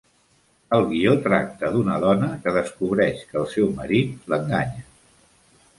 El guió tracta d'una dona que descobreix que el seu marit l'enganya.